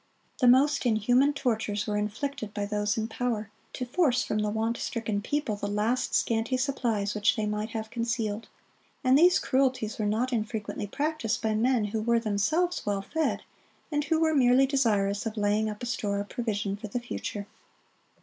The most inhuman tortures were inflicted by those in power, to force from the want stricken people the last scanty supplies which they might have concealed. And these cruelties were not infrequently practised by men who were themselves well fed, and who were merely desirous of laying up a store of provision for the future.